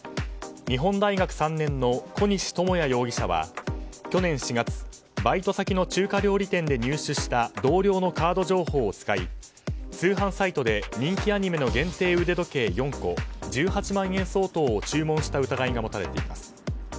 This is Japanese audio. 日本大学３年の小西智也容疑者は去年４月バイト先の中華料理店で入手した同僚のカード情報を使い通販サイトで人気アニメの限定腕時計４個１８万円相当を注文した疑いが持たれています。